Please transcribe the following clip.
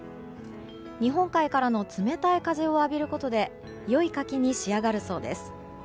日本海からの冷たい風を浴びることで良い柿に仕上がるそうです。